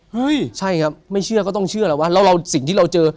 เฮ้ยใช่ครับไม่เชื่อก็ต้องเชื่อแล้วว่าแล้วเราสิ่งที่เราเจอ